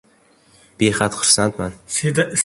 Behad xursandman.